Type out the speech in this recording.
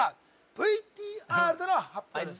ＶＴＲでの発表です